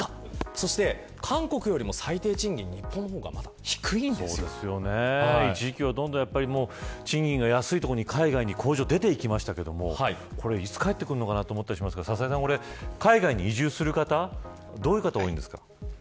そして、韓国よりも最低賃金は一時期は、どんどん賃金が安い所に工場が出ていましたけどいつ帰ってくるのかなと思いますが海外に移住する方どういう方が多いんですか。